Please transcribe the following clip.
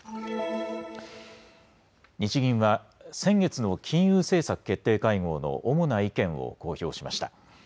日銀は先月の金融政策決定会合の主な意見を公表しました。